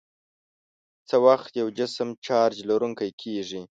څه وخت یو جسم چارج لرونکی کیږي؟